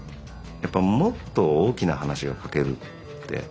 やっぱりもっと大きな話が描けるって。